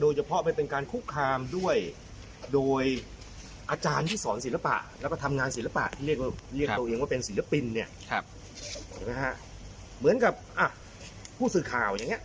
โดยเฉพาะเป็นการคุกคามด้วยโดยอาจารย์ที่สอนศิลปะและก็ทำงานศิลปะที่เรียกตัวเองว่าเป็นศิลปินนี่ครับเหมือนกับผู้สึกข่าวอย่างนี้